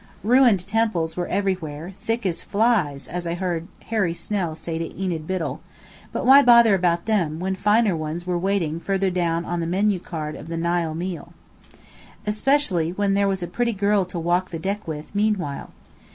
Ruined temples were everywhere, "thick as flies," as I heard Harry Snell say to Enid Biddell; but why bother about them, when finer ones were waiting further down on the menu card of the Nile feast? Especially when there was a pretty girl to walk the deck with, meanwhile?